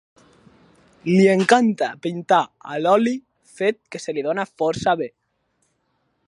Li encanta pintar a l'oli, fet que se li dóna força bé.